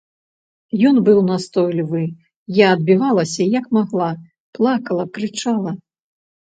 Ён быў настойлівы, я адбівалася як магла, плакала, крычала.